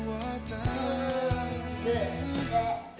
itu tuh ga enak banget